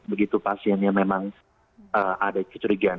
begitu pasiennya memang ada kecurigaan